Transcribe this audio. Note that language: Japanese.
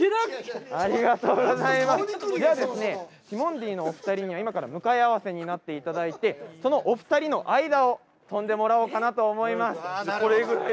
ではティモンディのお二人には向かい合わせになっていただいてお二人の間を飛んでもらおうかなと思います。